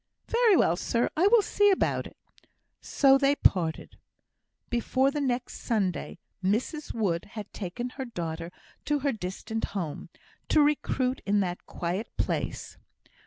"Very well, sir; I will see about it." So they parted. Before the next Sunday, Mrs Wood had taken her daughter to her distant home, to recruit in that quiet place.